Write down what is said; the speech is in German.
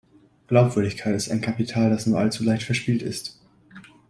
Glaubwürdigkeit ist ein Kapital, das nur allzu leicht verspielt ist.